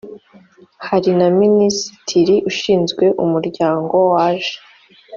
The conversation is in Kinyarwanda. hari na minisitiri ushinzwe umuryango waje